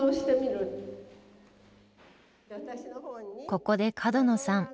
ここで角野さん